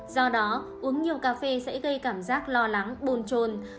do đó uống nhiều cà phê sẽ gây cảm giác lo lắng bồn trồn